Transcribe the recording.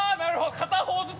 片方ずつ。